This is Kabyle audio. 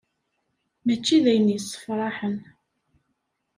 Mačči d ayen yessefraḥen.